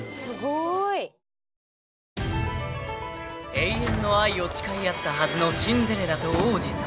［永遠の愛を誓い合ったはずのシンデレラと王子様］